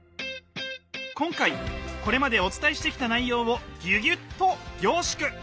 今回これまでお伝えしてきた内容をギュギュッと凝縮！